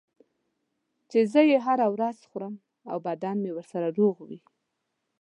چې زه یې هره ورځ خورم او بدنم ورسره روغ وي.